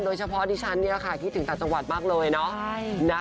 โดยเฉพาะดิฉันคิดถึงตะจังหวัดมากเลยเนอะ